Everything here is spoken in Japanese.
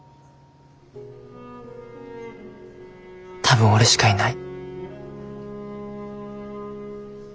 多分俺しかいない。